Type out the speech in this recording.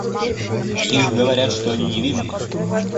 О них говорят, что они невинны.